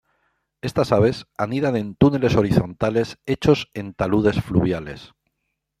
Estas aves anidan en túneles horizontales hechos en taludes fluviales.